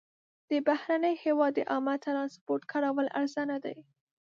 د بهرني هېواد د عامه ترانسپورټ کارول ارزانه دي.